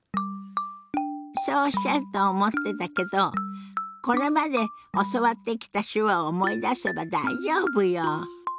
そうおっしゃると思ってたけどこれまで教わってきた手話を思い出せば大丈夫よ！